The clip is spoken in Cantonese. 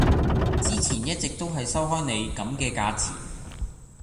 之前一直都係收開你咁嘅價錢